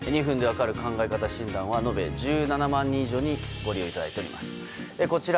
あなたの考え方診断」は延べ１７万人以上にご利用いただいています。